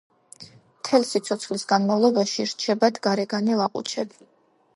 მთელი სიცოცხლის განმავლობაში რჩებათ გარეგან ლაყუჩები.